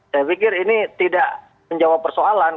saya pikir ini tidak menjawab persoalan